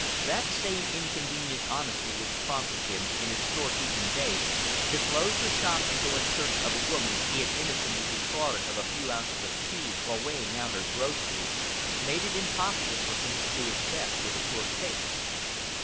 That same inconvenient honesty which prompted him, in his store keeping days, to close the shop and go in search of a woman he had innocently defrauded of a few ounces of tea while weighing out her groceries, made it impossible for him to do his best with a poor case.